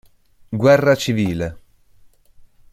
Guerra civile.